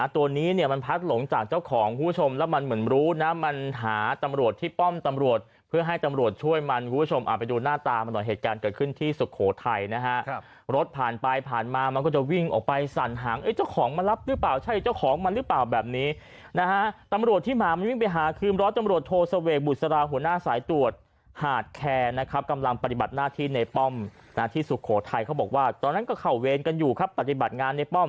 ตัวนี้เนี่ยมันพักหลงจากเจ้าของคุณผู้ชมแล้วมันเหมือนรู้นะมันหาตำรวจที่ป้อมตำรวจเพื่อให้ตำรวจช่วยมันคุณผู้ชมไปดูหน้าตามันหน่อยเหตุการณ์เกิดขึ้นที่สุโขทัยนะฮะรถผ่านไปผ่านมามันก็จะวิ่งออกไปสั่นหางเจ้าของมันรับหรือเปล่าใช่เจ้าของมันหรือเปล่าแบบนี้นะฮะตำรวจที่หมามันวิ่ง